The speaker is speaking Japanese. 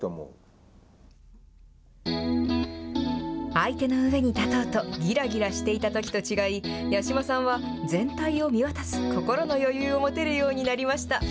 相手の上に立とうとぎらぎらしていたときと違い、八嶋さんは、全体を見渡す心の余裕を持てるようになりました。